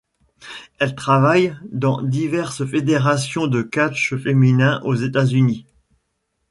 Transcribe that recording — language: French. Elle travaille dans diverses fédérations de catch féminin aux États-Unis.